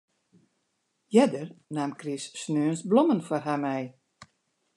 Earder naam Chris sneons blommen foar har mei.